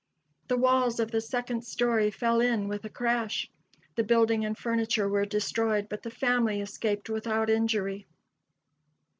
The walls of the second story fell in with a crash. The building and furniture were destroyed, but the family escaped without injury.